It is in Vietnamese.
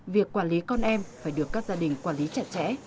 việc quản lý con em phải được các gia đình quản lý trẻ trẻ